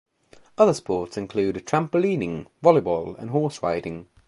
Other sports include trampolining, volleyball and horse riding.